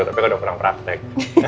tapi udah kurang praktek